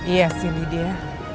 iya sih lydia